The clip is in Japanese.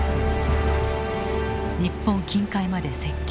日本近海まで接近。